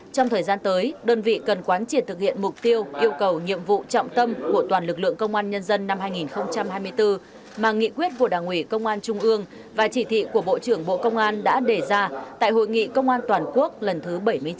trong thời gian tới đơn vị cần quán triển thực hiện mục tiêu yêu cầu nhiệm vụ trọng tâm của toàn lực lượng công an nhân dân năm hai nghìn hai mươi bốn mà nghị quyết của đảng ủy công an trung ương và chỉ thị của bộ trưởng bộ công an đã đề ra tại hội nghị công an toàn quốc lần thứ bảy mươi chín